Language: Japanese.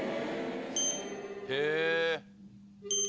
へえ。